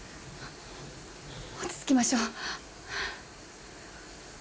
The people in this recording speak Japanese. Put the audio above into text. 落ち着きましょう。